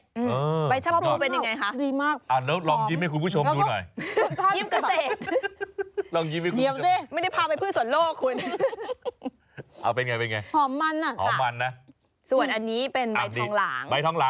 อืมใบชักปรูเป็นอย่างไรคะ